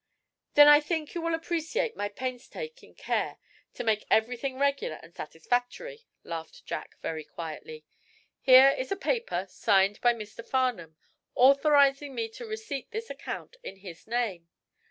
"Then I think you will appreciate my painstaking care to make everything regular and satisfactory," laughed Jack, very quietly. "Here is a paper, signed by Mr. Farnum, authorizing me to receipt this account in his name.